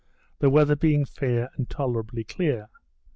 the weather being fair and tolerably clear.